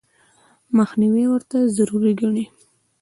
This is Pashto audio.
مخنیوي ورته ضروري ګڼي.